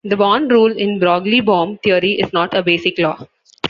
The Born rule in Broglie-Bohm theory is not a basic law.